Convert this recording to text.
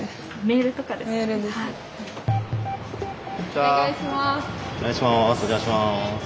お願いします！